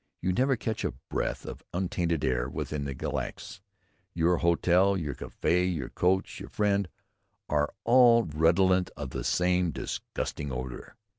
You never catch a breath of untainted air within the Glacis. Your hotel, your café, your coach, your friend, are all redolent of the same disgusting odour."